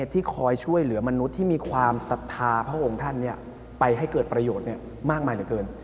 เหตุที่คอยช่วยเหลือมนุษย์ที่มีความศรรษฐาพระองค์ท่านไปให้เกิดประโยชน์มากได้